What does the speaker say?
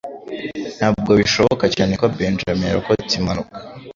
Ntabwo bishoboka cyane ko Benjamin yarokotse impanuka.